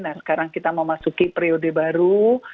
nah sekarang kita memasuki periode baru